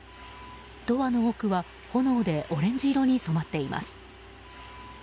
ドアの奥は炎でオレンジ色に染まっています。